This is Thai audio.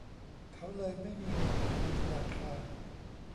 เขาเลยไม่มีเงินไปคืนธนาคาร